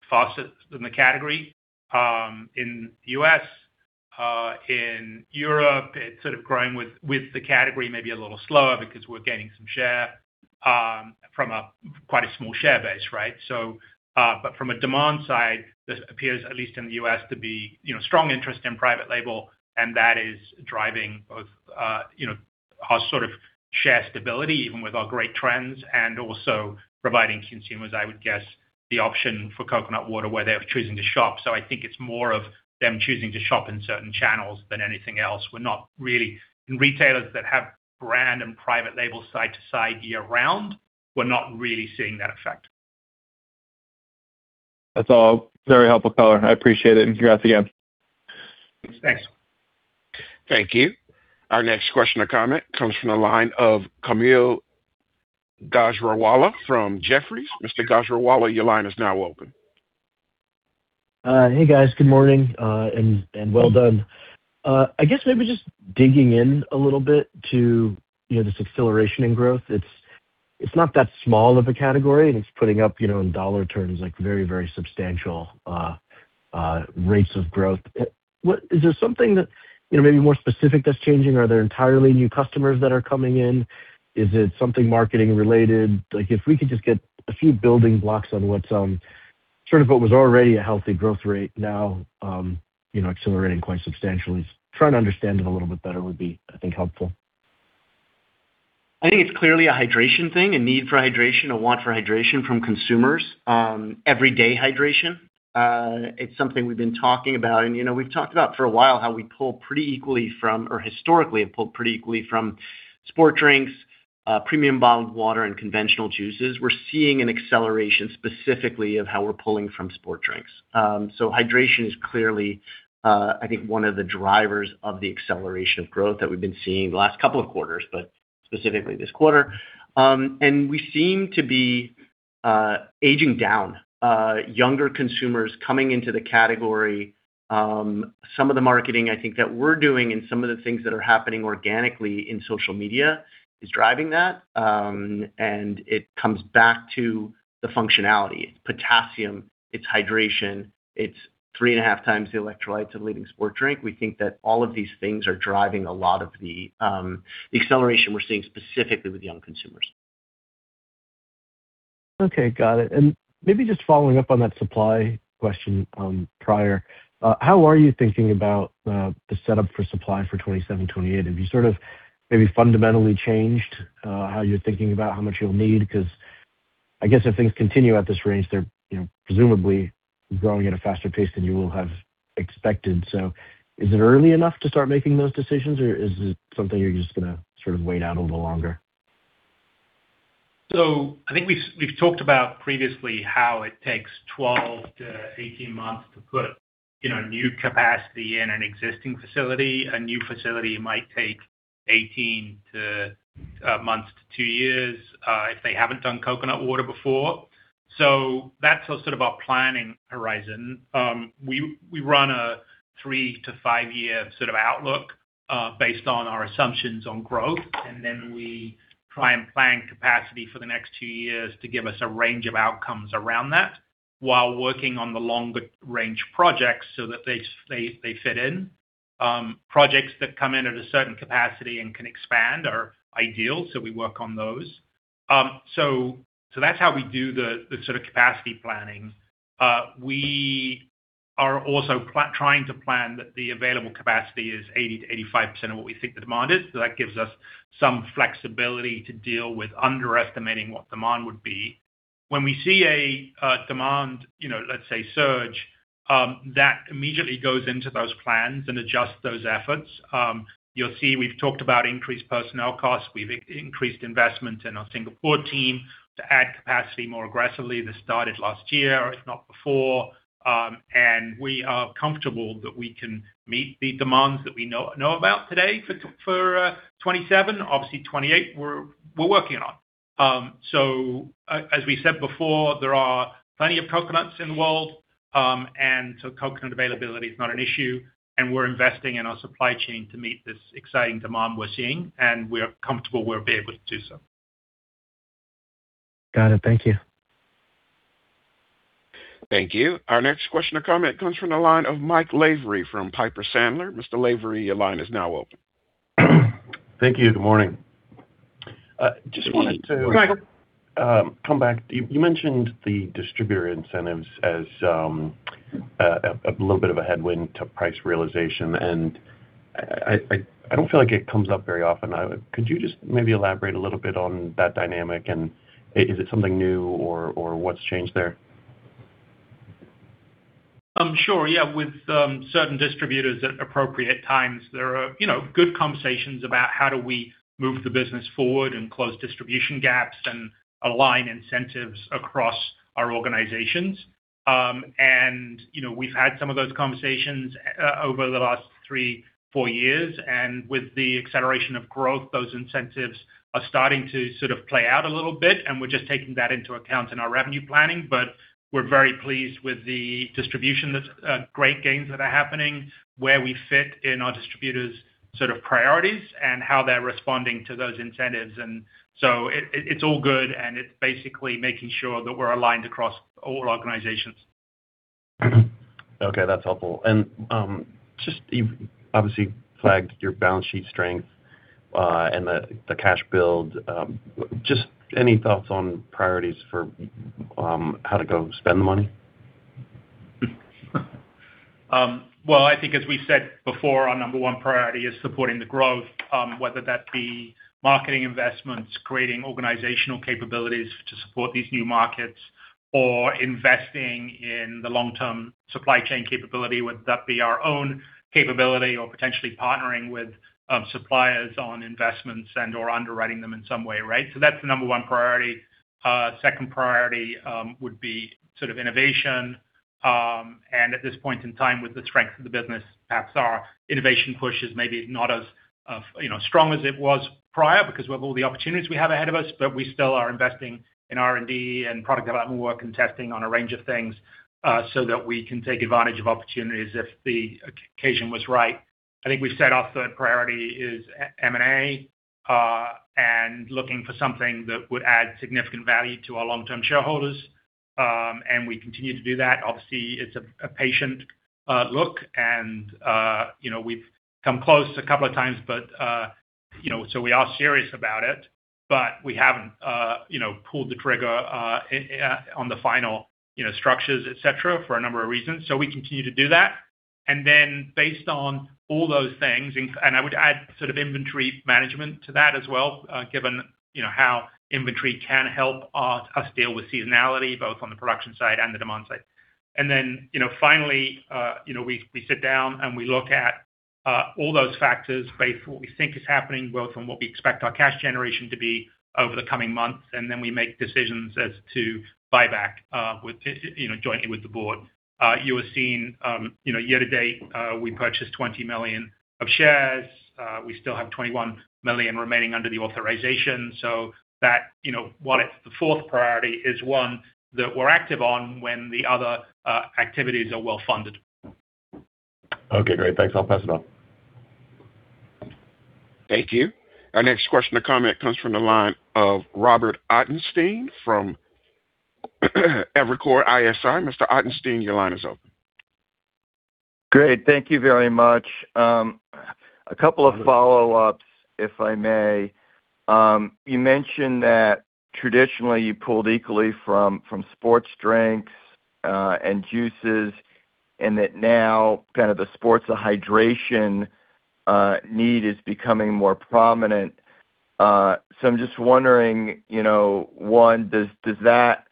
faster than the category in the U.S. In Europe, it's sort of growing with the category maybe a little slower because we're gaining some share from a quite a small share base, right? But from a demand side, this appears, at least in the U.S., to be, you know, strong interest in private label, and that is driving both, you know, our sort of share stability, even with our great trends, and also providing consumers, I would guess, the option for coconut water where they're choosing to shop. I think it's more of them choosing to shop in certain channels than anything else. In retailers that have brand and private label side to side year-round, we're not really seeing that effect. That's all very helpful color. I appreciate it and congrats again. Thanks. Thank you. Our next question or comment comes from the line of Kaumil Gajrawala from Jefferies. Mr. Gajrawala, your line is now open. Hey, guys. Good morning, and well done. I guess maybe just digging in a little bit to, you know, this acceleration in growth. It's not that small of a category, and it's putting up, you know, in dollar terms, like very substantial rates of growth. What is there something that, you know, maybe more specific that's changing? Are there entirely new customers that are coming in? Is it something marketing related? Like, if we could just get a few building blocks on what's, sort of what was already a healthy growth rate now, you know, accelerating quite substantially. Trying to understand it a little bit better would be, I think, helpful. I think it's clearly a hydration thing, a need for hydration, a want for hydration from consumers, everyday hydration. It's something we've been talking about. You know, we've talked about for a while how we pull pretty equally from, or historically have pulled pretty equally from sport drinks, premium bottled water and conventional juices. We're seeing an acceleration specifically of how we're pulling from sport drinks. So hydration is clearly, I think one of the drivers of the acceleration of growth that we've been seeing the last couple of quarters, but specifically this quarter. And we seem to be aging down, younger consumers coming into the category. Some of the marketing I think that we're doing and some of the things that are happening organically in social media is driving that. And it comes back to the functionality. It's potassium, it's hydration, it's three and a half times the electrolytes of leading sports drink. We think that all of these things are driving a lot of the acceleration we're seeing specifically with young consumers. Okay, got it. Maybe just following up on that supply question, prior, how are you thinking about the setup for supply for 2027, 2028? Have you sort of maybe fundamentally changed how you're thinking about how much you'll need? Because I guess if things continue at this range, they're, you know, presumably growing at a faster pace than you will have expected. Is it early enough to start making those decisions, or is it something you're just gonna sort of wait out a little longer? I think we've talked about previously how it takes 12 to 18 months to put, you know, new capacity in an existing facility. A new facility might take 18 months to two years if they haven't done coconut water before. That's sort of our planning horizon. We run a three to five year sort of outlook based on our assumptions on growth, and then we try and plan capacity for the next two years to give us a range of outcomes around that while working on the longer-range projects so that they fit in. Projects that come in at a certain capacity and can expand are ideal, so we work on those. So that's how we do the sort of capacity planning. We are also trying to plan that the available capacity is 80%-85% of what we think the demand is, so that gives us some flexibility to deal with underestimating what demand would be. When we see a demand, you know, let's say surge, that immediately goes into those plans and adjusts those efforts. You'll see we've talked about increased personnel costs, we've increased investment in our Singapore team to add capacity more aggressively. This started last year, if not before. We are comfortable that we can meet the demands that we know about today for 2027. Obviously, 2028, we're working on. As we said before, there are plenty of coconuts in the world, and so coconut availability is not an issue, and we're investing in our supply chain to meet this exciting demand we're seeing, and we're comfortable we'll be able to do so. Got it. Thank you. Thank you. Our next question or comment comes from the line of Michael Lavery from Piper Sandler. Mr. Lavery, your line is now open. Thank you. Good morning. Mike? Come back. You mentioned the distributor incentives as a little bit of a headwind to price realization, and I don't feel like it comes up very often. Could you just maybe elaborate a little bit on that dynamic? Is it something new or what's changed there? Sure. With certain distributors at appropriate times, there are, you know, good conversations about how do we move the business forward and close distribution gaps and align incentives across our organizations. You know, we've had some of those conversations over the last three, four years, and with the acceleration of growth, those incentives are starting to sort of play out a little bit, and we're just taking that into account in our revenue planning. We're very pleased with the distribution that's great gains that are happening, where we fit in our distributors' sort of priorities and how they're responding to those incentives. It's all good, and it's basically making sure that we're aligned across all organizations. Okay, that's helpful. Just you've obviously flagged your balance sheet strength and the cash build. Just any thoughts on priorities for how to go spend the money? Well, I think as we said before, our number one priority is supporting the growth, whether that be marketing investments, creating organizational capabilities to support these new markets, or investing in the long-term supply chain capability, whether that be our own capability or potentially partnering with suppliers on investments and/or underwriting them in some way, right? That's the number one priority. Second priority would be sort of innovation. At this point in time, with the strength of the business, perhaps our innovation push is maybe not as, you know, strong as it was prior because we have all the opportunities we have ahead of us, but we still are investing in R&D and product development work and testing on a range of things, so that we can take advantage of opportunities if the occasion was right. I think we said our third priority is M&A, and looking for something that would add significant value to our long-term shareholders. We continue to do that. Obviously, it's a patient look and, you know, we've come close a couple of times, but, you know, we are serious about it. We haven't, you know, pulled the trigger on the final, you know, structures, et cetera, for a number of reasons. We continue to do that. Based on all those things, and I would add sort of inventory management to that as well, given, you know, how inventory can help us deal with seasonality, both on the production side and the demand side. Finally, you know, we sit down and we look at all those factors based on what we think is happening, both from what we expect our cash generation to be over the coming months, then we make decisions as to buyback, with, you know, jointly with the board. You have seen, you know, year to date, we purchased $20 million of shares. We still have $21 million remaining under the authorization. You know, while it's the fourth priority, is one that we're active on when the other activities are well-funded. Okay, great. Thanks. I'll pass it on. Thank you. Our next question or comment comes from the line of Robert Ottenstein from Evercore ISI. Mr. Ottenstein, your line is open. Great. Thank you very much. A couple of follow-ups, if I may. You mentioned that traditionally you pulled equally from sports drinks and juices, and that now kind of the sports, the hydration need is becoming more prominent. I'm just wondering, you know, one, does that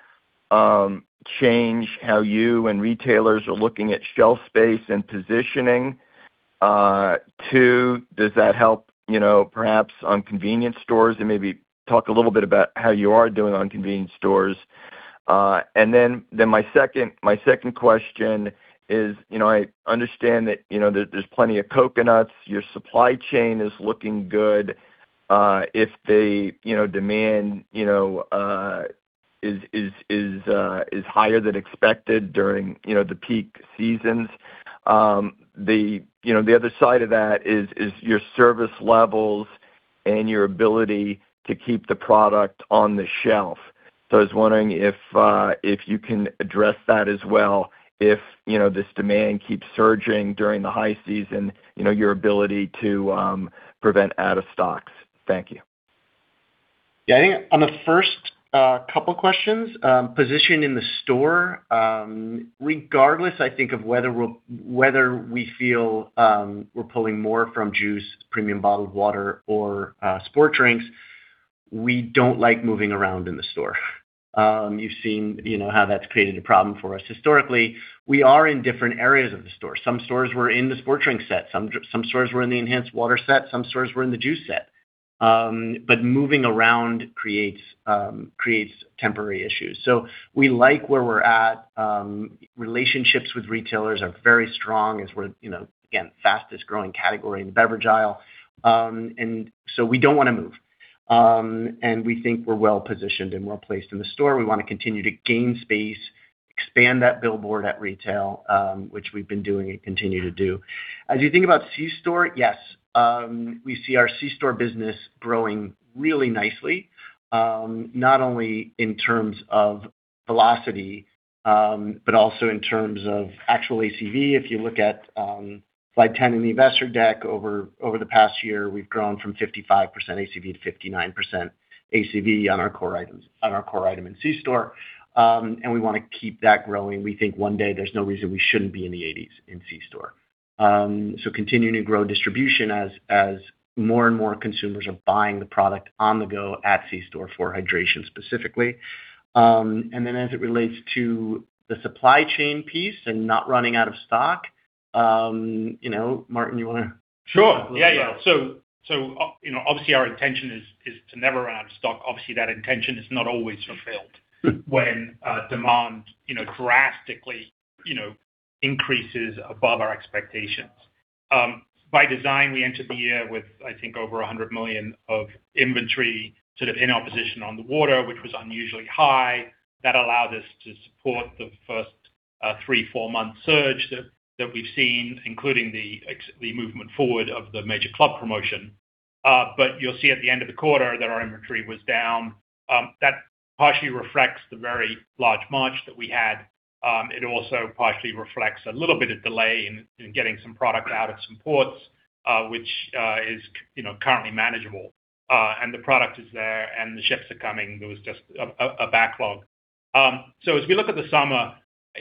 change how you and retailers are looking at shelf space and positioning? Two, does that help, you know, perhaps on convenience stores? Maybe talk a little bit about how you are doing on convenience stores. Then my second question is, you know, I understand that, you know, there's plenty of coconuts. Your supply chain is looking good. If the, you know, demand, you know, is higher than expected during, you know, the peak seasons, the, you know, the other side of that is your service levels and your ability to keep the product on the shelf. I was wondering if you can address that as well, if, you know, this demand keeps surging during the high season, you know, your ability to prevent out of stocks. Thank you. Yeah. I think on the first couple questions, positioning the store, regardless, I think, of whether we're, whether we feel, we're pulling more from juice, premium bottled water or sport drinks, we don't like moving around in the store. You've seen, you know, how that's created a problem for us historically. We are in different areas of the store. Some stores we're in the sport drink set, some stores we're in the enhanced water set, some stores we're in the juice set. Moving around creates temporary issues. We like where we're at. Relationships with retailers are very strong as we're, you know, again, fastest growing category in the beverage aisle. We don't wanna move. We think we're well-positioned and well-placed in the store. We want to continue to gain space, expand that billboard at retail, which we've been doing and continue to do. As you think about C store, yes, we see our C store business growing really nicely, not only in terms of velocity, but also in terms of actual ACV. If you look at slide 10 in the investor deck, over the past year, we've grown from 55% ACV to 59% ACV on our core items, on our core item in C store. We want to keep that growing. We think one day there's no reason we shouldn't be in the 80s in C store. Continuing to grow distribution as more and more consumers are buying the product on the go at C store for hydration specifically. As it relates to the supply chain piece and not running out of stock, you know, Martin. Sure. Yeah, yeah. You know, obviously our intention is to never run out of stock. Obviously, that intention is not always fulfilled when demand, you know, drastically, you know, increases above our expectations. By design, we entered the year with, I think, over $100 million of inventory sort of in opposition on the water, which was unusually high. That allowed us to support the first three to four month surge that we've seen, including the movement forward of the major club promotion. You'll see at the end of the quarter that our inventory was down. That partially reflects the very large March that we had. It also partially reflects a little bit of delay in getting some product out of some ports, which is, you know, currently manageable. The product is there, and the ships are coming. There was just a backlog. As we look at the summer,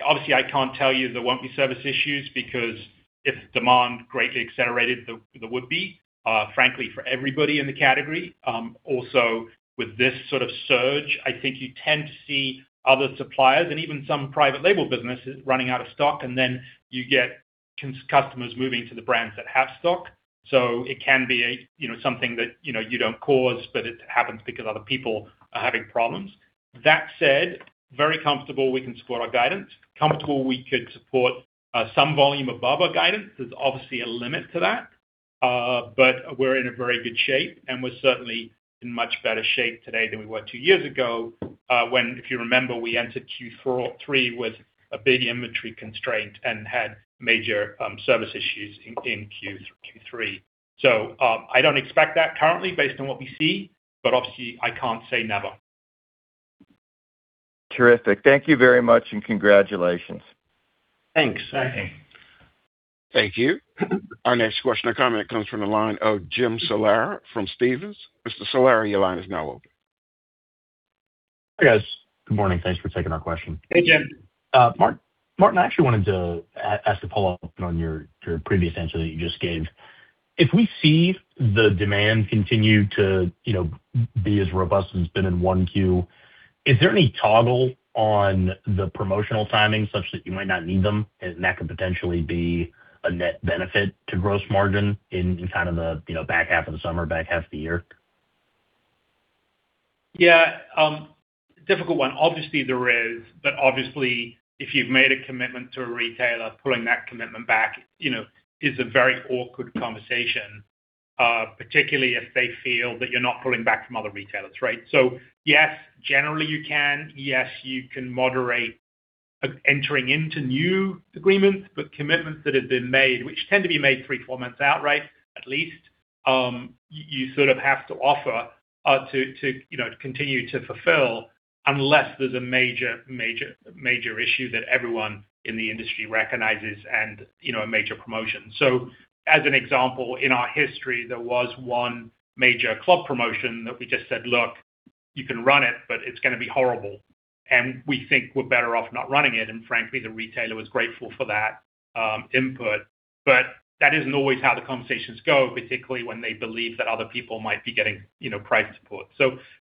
obviously, I can't tell you there won't be service issues because if demand greatly accelerated, there would be, frankly, for everybody in the category. Also with this sort of surge, I think you tend to see other suppliers and even some private label businesses running out of stock, and then you get customers moving to the brands that have stock. It can be a, you know, something that, you know, you don't cause, but it happens because other people are having problems. That said, very comfortable we can support our guidance. Comfortable we could support some volume above our guidance. There's obviously a limit to that, but we're in a very good shape, and we're certainly in much better shape today than we were two years ago, when, if you remember, we entered Q3 with a big inventory constraint and had major service issues in Q3. I don't expect that currently based on what we see, but obviously I can't say never. Terrific. Thank you very much, and congratulations. Thanks. Thank you. Thank you. Our next question or comment comes from the line of Jim Salera from Stephens Inc. Mr. Salera, your line is now open. Hi, guys. Good morning. Thanks for taking our question. Hey, Jim. Martin, I actually wanted to ask a follow-up on your previous answer that you just gave. If we see the demand continue to, you know, be as robust as it's been in 1Q, is there any toggle on the promotional timing such that you might not need them, and that could potentially be a net benefit to gross margin in kind of the, you know, back half of the summer, back half the year? Yeah. difficult one. Obviously, there is. If you've made a commitment to a retailer, pulling that commitment back, you know, is a very awkward conversation, particularly if they feel that you're not pulling back from other retailers, right? Yes, generally you can. Yes, you can moderate entering into new agreements, but commitments that have been made, which tend to be made three, four months out, right, at least, you sort of have to offer to, you know, continue to fulfill. Unless there's a major, major issue that everyone in the industry recognizes and, you know, a major promotion. As an example, in our history, there was one major club promotion that we just said, "Look, you can run it, but it's gonna be horrible, and we think we're better off not running it." Frankly, the retailer was grateful for that input. That isn't always how the conversations go, particularly when they believe that other people might be getting, you know, price support.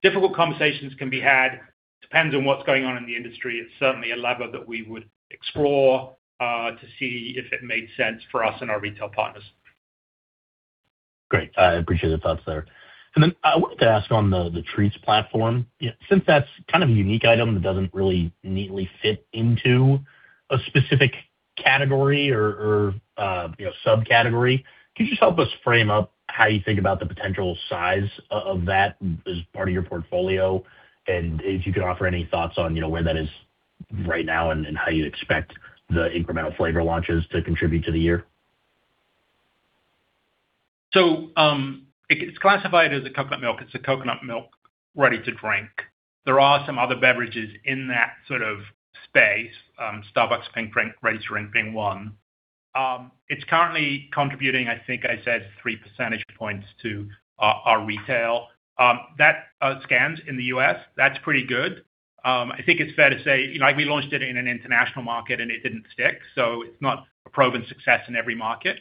Difficult conversations can be had. Depends on what's going on in the industry. It's certainly a lever that we would explore to see if it made sense for us and our retail partners. Great. I appreciate the thoughts there. I wanted to ask on the Treats platform. Since that's kind of a unique item that doesn't really neatly fit into a specific category or, you know, subcategory, could you just help us frame up how you think about the potential size of that as part of your portfolio? If you could offer any thoughts on, you know, where that is right now and how you expect the incremental flavor launches to contribute to the year. It's classified as a coconut milk. It's a coconut milk ready to drink. There are some other beverages in that sort of space, Starbucks Pink Drink, ready-to-drink being one. It's currently contributing, I think I said 3% points to our retail, that scans in the U.S. That's pretty good. I think it's fair to say, you know, we launched it in an international market, it didn't stick, it's not a proven success in every market.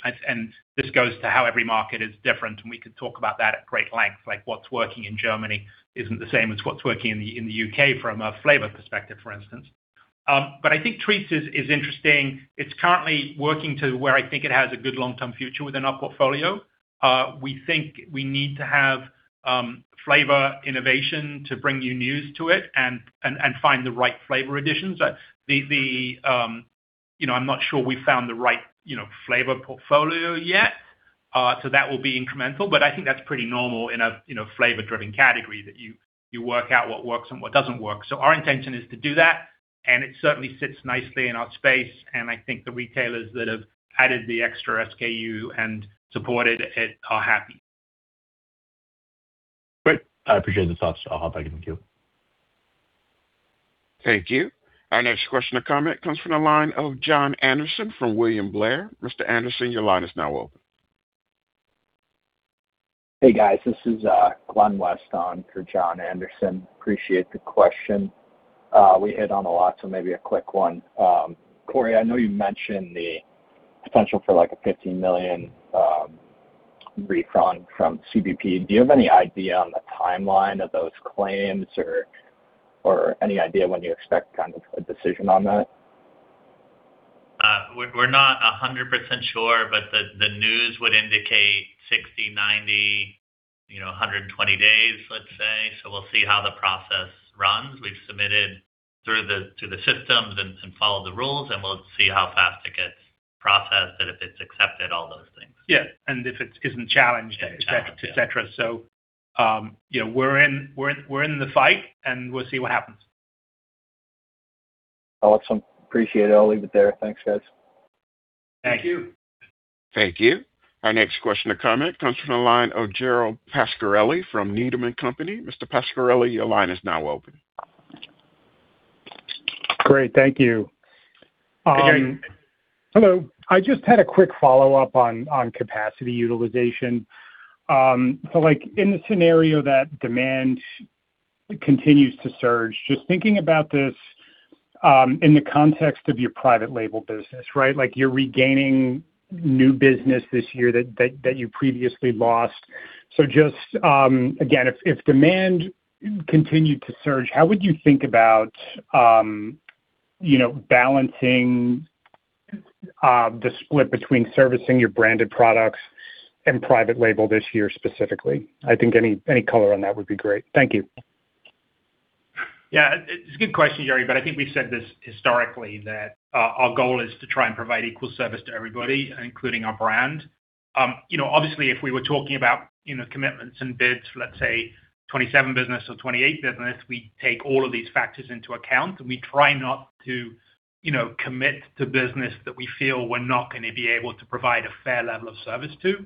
This goes to how every market is different, we could talk about that at great length. Like, what's working in Germany isn't the same as what's working in the, in the U.K. from a flavor perspective, for instance. I think Treats is interesting. It's currently working to where I think it has a good long-term future within our portfolio. We think we need to have flavor innovation to bring you news to it and find the right flavor additions. The, the, you know, I'm not sure we found the right, you know, flavor portfolio yet, so that will be incremental. I think that's pretty normal in a, you know, flavor-driven category that you work out what works and what doesn't work. Our intention is to do that, and it certainly sits nicely in our space, and I think the retailers that have added the extra SKU and supported it are happy. Great. I appreciate the thoughts. I'll hop back in the queue. Thank you. Our next question or comment comes from the line of John Anderson from William Blair. Mr. Anderson, your line is now open. Hey, guys. This is Glenn West on for John Anderson. Appreciate the question. We hit on a lot, so maybe a quick one. Corey, I know you mentioned the potential for like a $15 million refund from CBP. Do you have any idea on the timeline of those claims or any idea when you expect kind of a decision on that? We're not 100% sure, but the news would indicate 60, 90, you know, 120 days, let's say. We'll see how the process runs. We've submitted to the systems and followed the rules, and we'll see how fast it gets processed and if it's accepted, all those things. Yeah. If it isn't challenged, et cetera. You know, we're in the fight, and we'll see what happens. Awesome. Appreciate it. I'll leave it there. Thanks, guys. Thank you. Thank you. Our next question or comment comes from the line of Gerald Pascarelli from Needham & Company. Mr. Pascarelli, your line is now open. Great. Thank you. Hey, Jerry. Hello. I just had a quick follow-up on capacity utilization. Like in the scenario that demand continues to surge, just thinking about this in the context of your private label business, right? Like you're regaining new business this year that you previously lost. Just again, if demand continued to surge, how would you think about, you know, balancing the split between servicing your branded products and private label this year specifically? I think any color on that would be great. Thank you. Yeah. It's a good question, Gerald, but I think we've said this historically that our goal is to try and provide equal service to everybody, including our brand. You know, obviously, if we were talking about, you know, commitments and bids for, let's say, 2027 business or 2028 business, we take all of these factors into account, and we try not to, you know, commit to business that we feel we're not gonna be able to provide a fair level of service to.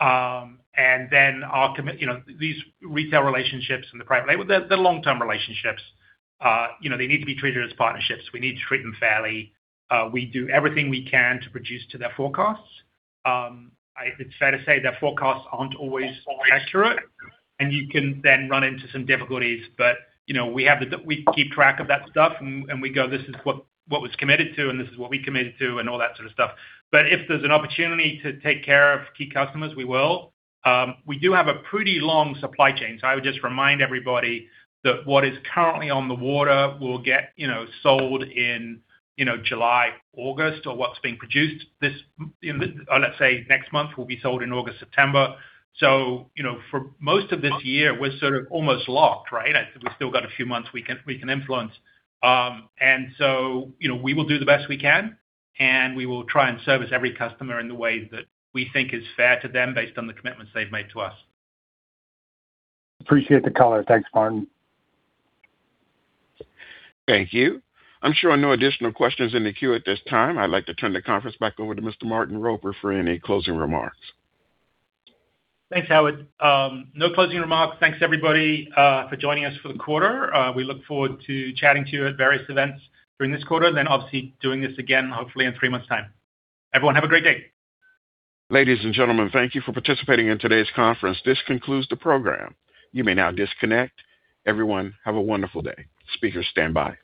You know, these retail relationships and the private label, they're long-term relationships. You know, they need to be treated as partnerships. We need to treat them fairly. We do everything we can to produce to their forecasts. It's fair to say their forecasts aren't always accurate, and you can then run into some difficulties. You know, we have we keep track of that stuff, and we go, "This is what was committed to, and this is what we committed to," and all that sort of stuff. If there's an opportunity to take care of key customers, we will. We do have a pretty long supply chain. I would just remind everybody that what is currently on the water will get, you know, sold in, you know, July, August, or what's being produced this, you know, let's say next month will be sold in August, September. You know, for most of this year, we're sort of almost locked, right? We've still got a few months we can influence. You know, we will do the best we can, and we will try and service every customer in the way that we think is fair to them based on the commitments they've made to us. Appreciate the color. Thanks, Martin. Thank you. I'm showing no additional questions in the queue at this time. I'd like to turn the conference back over to Mr. Martin Roper for any closing remarks. Thanks, Howard. No closing remarks. Thanks, everybody, for joining us for the quarter. We look forward to chatting to you at various events during this quarter, then obviously doing this again, hopefully in three months' time. Everyone, have a great day. Ladies and gentlemen, thank you for participating in today's conference. This concludes the program. You may now disconnect. Everyone, have a wonderful day. Speakers stand by.